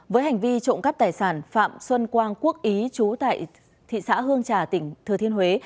với hành vi trộm cắp tài sản phạm xuân quang quốc ý chú tại thị xã hương trà tỉnh thừa thiên huế